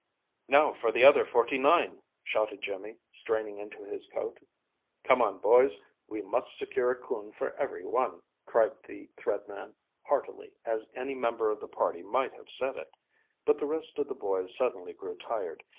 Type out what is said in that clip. "Now for the other forty nine!" shouted Jimmy, straining into his coat. "Come on, boys, we must secure a coon for every one," cried the Thread Man, heartily as any member of the party might have said it. But the rest of the boys suddenly grew tired.